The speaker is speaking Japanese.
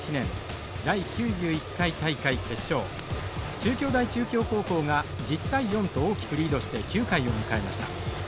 中京大中京高校が１０対４と大きくリードして９回を迎えました。